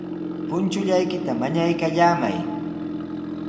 Punchullaykita mañaykallamay.